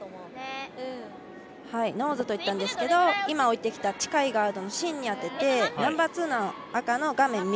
ノーズと言ったんですけど今置いてきた近いガードの芯に当ててナンバーツーの赤の画面